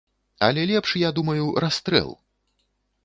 Але лепш, я думаю, расстрэл!